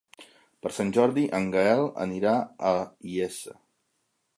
Per Sant Jordi en Gaël anirà a la Iessa.